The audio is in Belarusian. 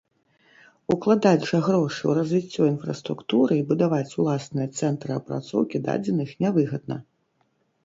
Укладаць жа грошы ў развіццё інфраструктуры і будаваць уласныя цэнтры апрацоўкі дадзеных нявыгадна.